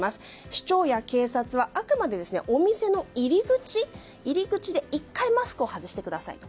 市長や警察はあくまでお店の入り口で１回、マスクを外してくださいと。